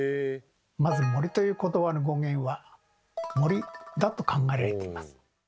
まず「森」ということばの語源は「盛り」だと考えられています。